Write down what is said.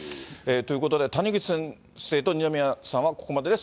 ということで、谷口先生と二宮さんはここまでです。